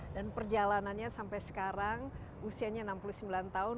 dan perjalanannya sampai sekarang usianya enam puluh sembilan tahun